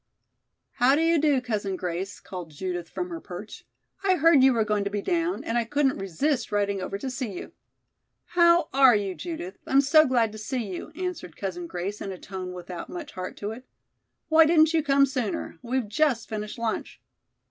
"How do you do, Cousin Grace?" called Judith from her perch. "I heard you were going to be down and I couldn't resist riding over to see you." "How are you, Judith? I'm so glad to see you," answered Cousin Grace in a tone without much heart to it. "Why didn't you come sooner? We've just finished lunch."